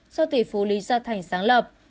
do tỷ phú lý do thành sáng lập